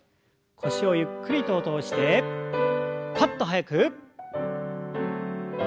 腰をゆっくりと落としてパッと速く。